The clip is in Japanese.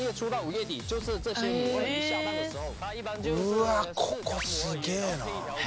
うわっここすげえな。